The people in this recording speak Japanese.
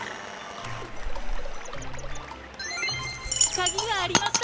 かぎがありました！